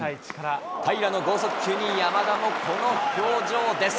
平良の剛速球に山田もこの表情です。